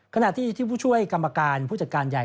ขณะที่ที่ผู้ช่วยกรรมการผู้จัดการใหญ่